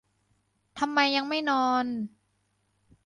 ทำไมยังไม่นอน